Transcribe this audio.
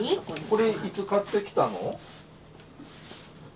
これいつ買ってきたの？